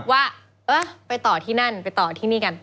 ว่าเออไปต่อที่นั่นไปต่อที่นี่กัน